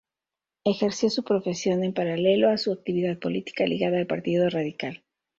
Ejerció su profesión en paralelo a su actividad política, ligada al Partido Radical.